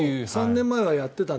３年前はやっていた。